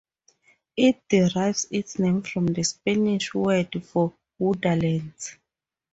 It derives its name from the Spanish word for "woodlands".